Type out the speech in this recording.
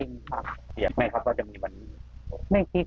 อยากให้ครับว่าจะมีวันนี้